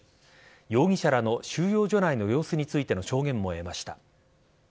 容疑者らの収容所内の様子についての証言も得ました。